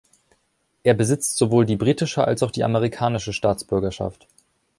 Er besitzt sowohl die britische als auch die amerikanische Staatsbürgerschaft.